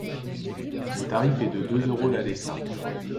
Le tarif est de deux euros l'aller simple.